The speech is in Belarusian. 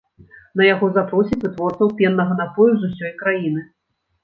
На яго запросяць вытворцаў пеннага напою з усёй краіны.